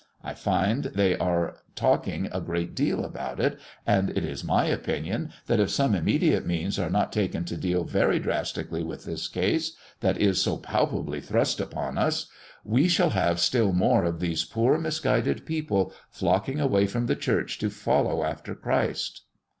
I find they are talking a great deal about it, and it is my opinion that if some immediate means are not taken to deal very drastically with this case that is so palpably thrust upon us, we shall have still more of these poor, misguided people flocking away from the Church to follow after Christ."